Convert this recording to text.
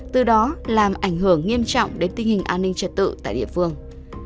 từ đó làm ảnh hưởng nghiêm trọng đến tình hình an ninh trật tự tại địa phương